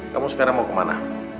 kamu sekarang mau kemana